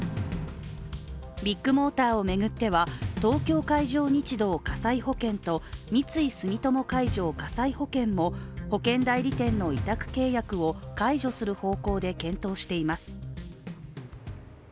ビッグモーターを巡っては東京海上日動火災保険と三井住友海上火災保険も保険代理店の委託契約を解除する方向で検討しています。